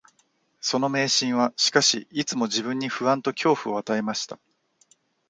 その迷信は、しかし、いつも自分に不安と恐怖を与えました